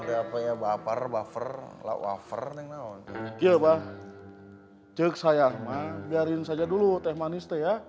deh apanya baper buffer laufer yang nangis ya pak cek sayang mah biarin saja dulu teh manis teh ya